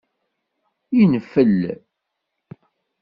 Infel.